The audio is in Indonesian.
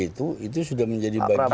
itu itu sudah menjadi bagian